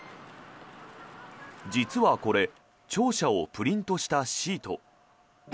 実はこれ庁舎をプリントしたシート。